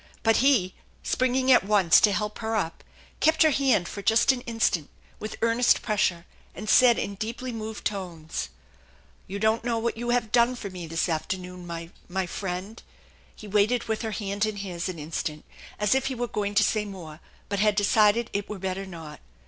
But he, springing at once to help her up, kept her hand for just an instant with earnest pressure, and said in deeply moved tones: " You don't know what you have done for me this after noon, my friend!" He waited with her hand in his an in stant as if he were going to say more, but had decided it were better not.